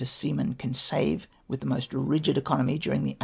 283 a seaman can save with tlie most rigid economy during the n.